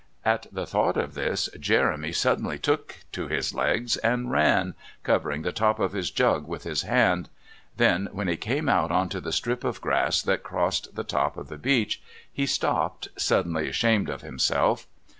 At the thought of this Jeremy suddenly took to his legs and ran, covering the top of his jug with his hand; then, when he came out on to the strip of grass that crossed the top of the beach, he stopped, suddenly ashamed of himself.